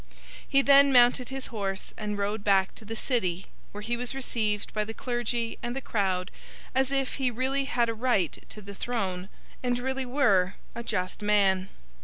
He then mounted his horse and rode back to the City, where he was received by the clergy and the crowd as if he really had a right to the throne, and really were a just man.